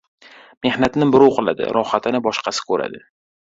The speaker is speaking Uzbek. • Mehnatni birov qiladi, rohatini boshqasi ko‘radi.